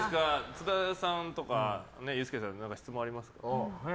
津田さんとかユースケさんとか質問ありますか？